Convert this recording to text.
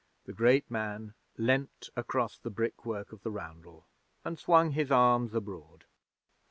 The great man leaned against the brickwork of the roundel, and swung his arms abroad.